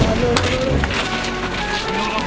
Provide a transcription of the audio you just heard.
พร้อมมากพร้อมมาก